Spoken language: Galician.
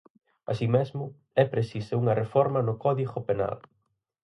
Así mesmo, é precisa unha reforma no Código Penal.